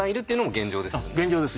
現状です。